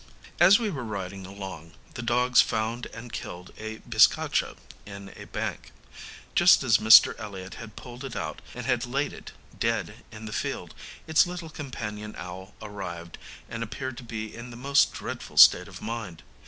As we were riding along, the dogs found and killed a bizcacha, in a bank. Just as Mr. Elliott had pulled it out, and had laid it, dead, in the field, its little companion owl arrived, and appeared to be in the most dreadful state of mind.